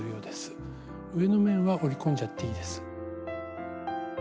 上の面は折り込んじゃっていいです。